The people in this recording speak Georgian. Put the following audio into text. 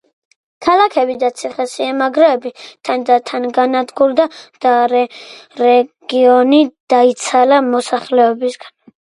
ქალაქები და ციხესიმაგრეები თანდათან განადგურდა და რეგიონი დაიცალა მოსახლეობისაგან.